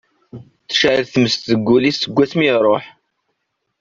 Tecɛel tmes deg wul-is seg wass mi iṛuḥ.